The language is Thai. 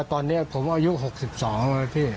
ก็ตอนนี้ผมอายุ๖๒นะครับพี่